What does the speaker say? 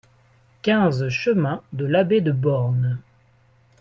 quinze chemin de l'Abbé de Born